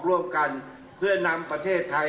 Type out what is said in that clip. ร่วมกันเพื่อนำประเทศไทย